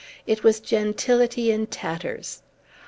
It was gentility in tatters.